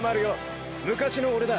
昔のオレだ